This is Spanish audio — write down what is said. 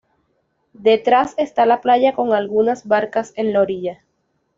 Detrás está la playa con algunas barcas en la orilla.